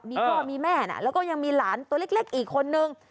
มีพ่อมีแม่นะแล้วก็ยังมีหลานตัวเล็กอีกคนนึง